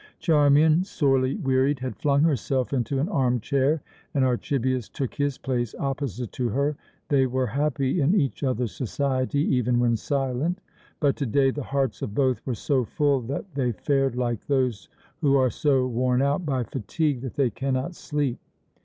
Charmian, sorely wearied, had flung herself into an arm chair, and Archibius took his place opposite to her. They were happy in each other's society, even when silent; but to day the hearts of both were so full that they fared like those who are so worn out by fatigue that they cannot sleep.